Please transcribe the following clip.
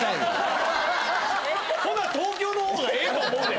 ほな東京のほうがええと思うで。